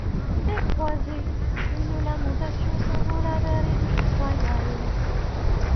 Des croisées, une lamentation s'envola vers l'édifice royal.